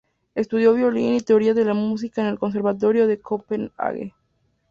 Estudió violín y teoría de la música en el conservatorio de Copenhague.